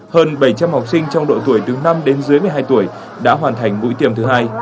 hơn bảy trăm linh học sinh trong độ tuổi từ năm đến dưới một mươi hai tuổi đã hoàn thành mũi tềm thứ hai